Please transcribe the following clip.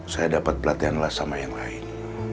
saya dapat pelatihan sama yang lain